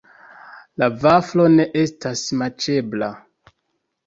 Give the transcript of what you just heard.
La vaflo ne estas maĉebla.